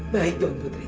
baik tuan putri baik